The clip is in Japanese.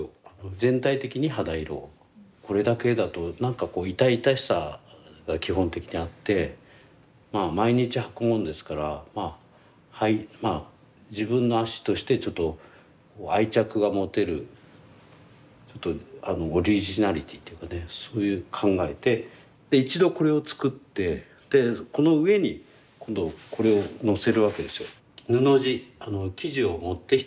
これだけだと何か痛々しさが基本的にあって毎日履くものですから自分の足として愛着が持てるオリジナリティーっていうかね考えて一度これを作ってこの上にこれをのせるわけですよ。